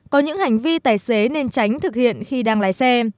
có những hành vi tài xế nên tránh thực hiện khi đang lái xe